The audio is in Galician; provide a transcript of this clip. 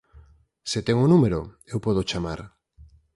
Se ten o número, eu podo chamar.